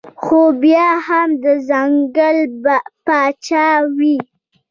خو بيا هم د ځنګل باچا وي